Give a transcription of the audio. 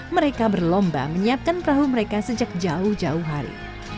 mereka berlomba menyiapkan perahu mereka sejak jauh jauh hari